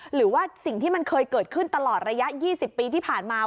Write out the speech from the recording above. หรือว่าสิ่งที่มันเคยเกิดขึ้นตลอดระยะ๒๐ปีที่ผ่านมา